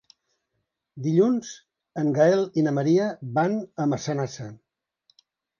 Dilluns en Gaël i na Maria van a Massanassa.